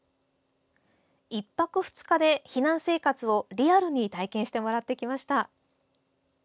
１泊２日で避難生活をリアルに体験してもらってきました。